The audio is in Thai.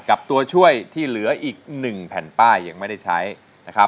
ตัวช่วยที่เหลืออีก๑แผ่นป้ายยังไม่ได้ใช้นะครับ